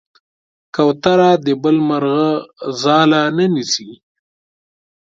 کوتره د بل مرغه ځاله نه نیسي.